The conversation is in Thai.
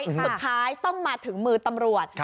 สุดท้ายต้องมาถึงมือตำรวจ